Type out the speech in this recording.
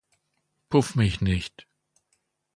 Puff mich nicht!